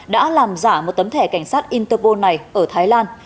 đã làm giả một tấm thẻ cảnh sát interpol này ở thái lan